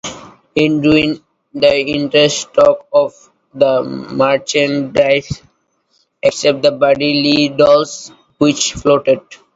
It ruined the entire stock of merchandise, except the Buddy Lee dolls, which floated.